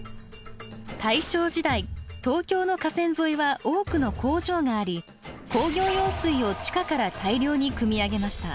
大正時代東京の河川沿いは多くの工場があり工業用水を地下から大量にくみ上げました。